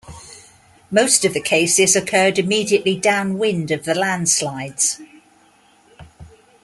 Most of the cases occurred immediately downwind of the landslides.